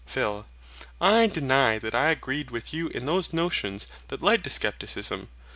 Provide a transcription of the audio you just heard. PHIL. I deny that I agreed with you in those notions that led to Scepticism.